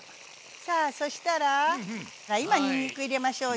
さあそしたら今にんにく入れましょうよ。